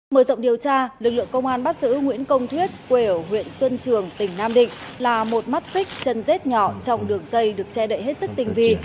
mở rộng điều tra lực lượng công an bắt giữ nguyễn công thuyết quê ở huyện xuân trường tỉnh nam định là một mắt xích chân rết nhỏ trong đường dây được che đậy hết sức tình vị